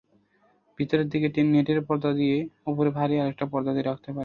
ভেতরের দিকে নেটের পর্দা দিয়ে, ওপরে ভারী আরেকটি পর্দা রাখতে পারেন।